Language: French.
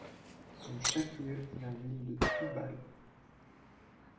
Son chef-lieu est la ville de Thoubal.